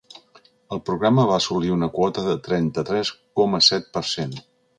El programa va assolir una quota del trenta-tres coma set per cent.